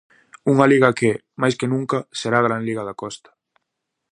Unha liga que, máis que nunca, será a gran liga da Costa!